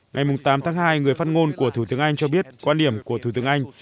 ngày tám tháng hai người phát ngôn của thủ tướng anh cho biết quan điểm của thủ tướng anh